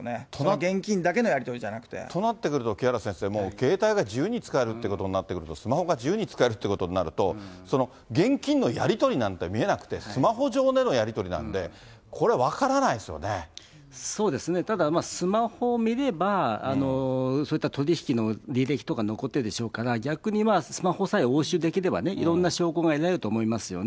現金だけのやり取りだけじゃなくて。となってくると、清原先生、携帯が自由に使えるということになってくると、スマホが自由に使えるっていうことになると、現金のやり取りなんて見えなくて、スマホ上でのやり取りなんで、これ、そうですね、ただ、スマホ見ればそういった取り引きの履歴とか残ってるでしょうから、逆に、スマホさえ押収できれば、いろんな証拠が得られると思いますよね。